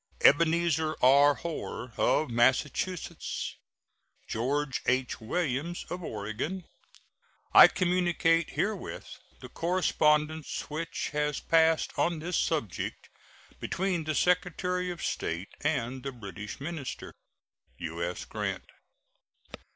Ebenezer R. Hoar, of Massachusetts. George H. Williams, of Oregon. I communicate herewith the correspondence which has passed on this subject between the Secretary of State and the British minister. U.S. GRANT.